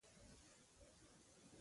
خپه یې نه کړ.